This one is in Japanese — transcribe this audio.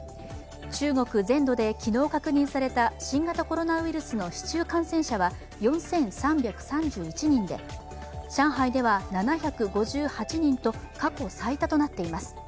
中国全土で昨日確認された新型コロナウイルスの市中感染者は４３３１人で上海では７５８人と過去最多となっています。